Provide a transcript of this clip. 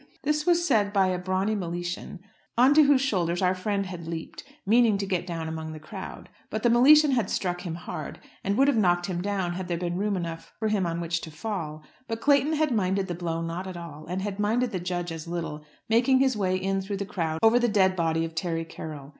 This was said by a brawny Miletian, on to whose shoulders our friend had leaped, meaning to get down among the crowd. But the Miletian had struck him hard, and would have knocked him down had there been room enough for him on which to fall. But Clayton had minded the blow not at all, and had minded the judge as little, making his way in through the crowd over the dead body of Terry Carroll.